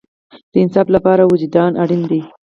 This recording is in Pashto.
د انصاف لپاره وجدان اړین دی